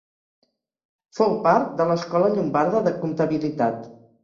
Fou part de l'Escola Llombarda de Comptabilitat.